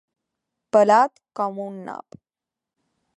Pelat com un nap.